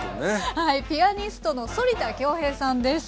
はいピアニストの反田恭平さんです。